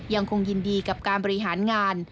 ยังคงยินดีกับการบริหารงาน